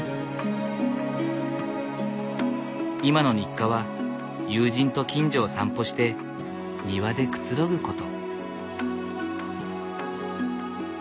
今の日課は友人と近所を散歩して庭でくつろぐこと。